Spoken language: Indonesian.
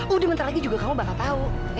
udah nanti lagi juga kamu bakal tahu